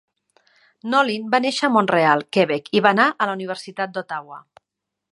Nolin va néixer a Mont-real, Quebec, i va anar a la Universitat d'Ottawa.